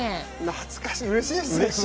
懐かしい、うれしいです。